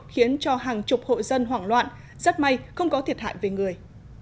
khiến cho hàng chục hội dân hoảng loạn rất may không có thiệt hại về người